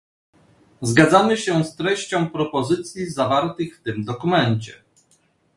Zgadzamy się z treścią propozycji zawartych w tym dokumencie